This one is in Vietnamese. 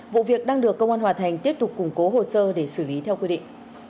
vụ việc đang được công an hòa thành tiếp tục củng cố hồ sơ để xử lý theo quy định